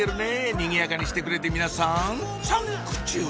にぎやかにしてくれて皆さんサンクチュ！